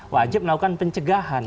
wajib melakukan pencegahan